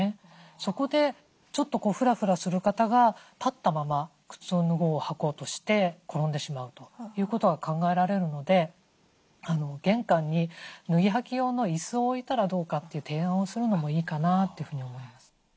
そこでちょっとフラフラする方が立ったまま靴を脱ごう履こうとして転んでしまうということが考えられるので玄関に脱ぎ履き用の椅子を置いたらどうかという提案をするのもいいかなというふうに思います。